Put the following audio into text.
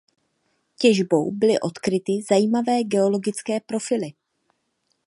Těžbou byly odkryty zajímavé geologické profily.